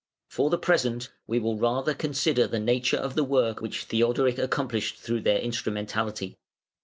For the present we will rather consider the nature of the work which Theodoric accomplished through their instrumentality.